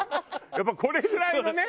やっぱこれぐらいのね。